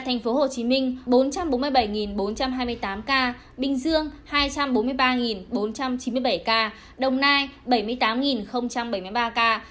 thành phố hồ chí minh bốn trăm bốn mươi bảy bốn trăm hai mươi tám ca bình dương hai trăm bốn mươi ba bốn trăm chín mươi bảy ca đồng nai bảy mươi tám bảy mươi ba ca